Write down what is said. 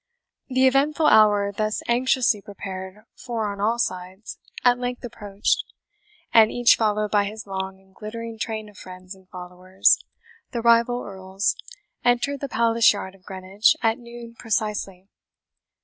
The eventful hour, thus anxiously prepared for on all sides, at length approached, and, each followed by his long and glittering train of friends and followers, the rival Earls entered the Palace Yard of Greenwich at noon precisely.